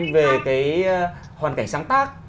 về hoàn cảnh sáng tác